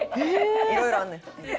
いろいろあんねん。